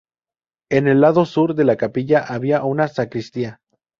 En el lado sur de la capilla, había una sacristía.